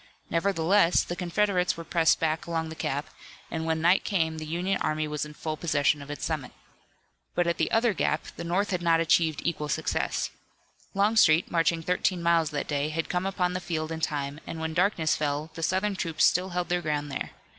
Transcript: Nevertheless, the Confederates were pressed back along the gap, and when night came the Union army was in full possession of its summit. But at the other gap the North had not achieved equal success. Longstreet, marching thirteen miles that day, had come upon the field in time, and when darkness fell the Southern troops still held their ground there.